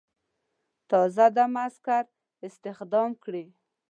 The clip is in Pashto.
تازه دمه عسکر استخدام کړي.